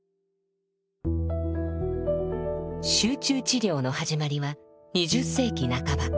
集中治療の始まりは２０世紀半ば。